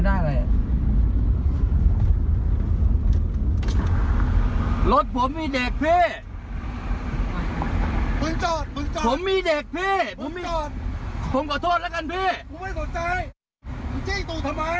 จี้ตูดทำไม